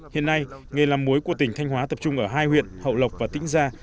hiện nay nghề làm muối của tỉnh thanh hóa tập trung ở hai huyện hậu lộc và tĩnh gia